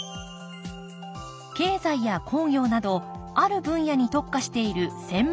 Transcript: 経済や工業などある分野に特化している専門紙などです。